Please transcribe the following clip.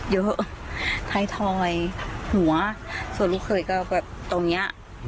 ไทยทอยหัวส่วนลูกเขยก็แบบตรงเนี้ย